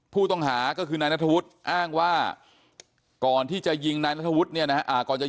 ผู้ต้องหาก็คือนายนัทธวุฒิอ้างว่าก่อนที่จะยิงนายนัทธวุฒิเนี่ยนะฮะก่อนจะ